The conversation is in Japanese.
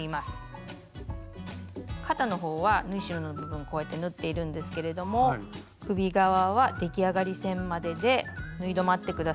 肩のほうは縫い代の部分こうやって縫っているんですけれども首側は出来上がり線までで縫い止まって下さい。